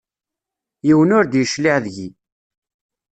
Yiwen ur d-yecliε deg-i.